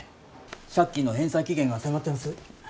借金の返済期限が迫ってます。